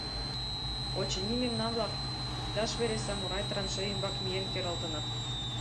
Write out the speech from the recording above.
«Очыни, мемнан-влак иктаж-вере самурай траншей ӱмбак миен керылтыныт.